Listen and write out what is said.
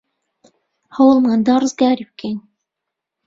هەوڵمان دا ڕزگاری بکەین.